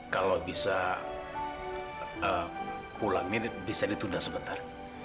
kalo bisa pulangin bisa ditunda sebentar